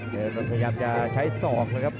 ใจก็ขยับกยับจะใช้สองเลยครับ